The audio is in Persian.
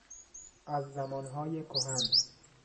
از زمانهای کهن